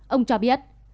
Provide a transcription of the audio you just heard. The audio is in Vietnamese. ông cho biết